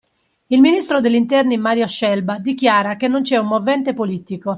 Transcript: Il ministro degli interni Mario Scelba dichiara che non c'è un "movente politico"